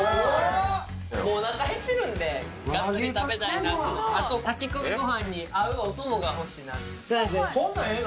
もうおなか減ってるんでがっつり食べたいなとあと炊き込みご飯に合うお供が欲しいなそんなんええの？